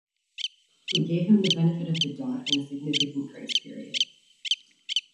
We gave him the benefit of the doubt, and a significant grace period.